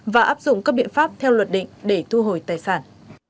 và áp dụng các biện pháp theo luật định để thu hồi tài sản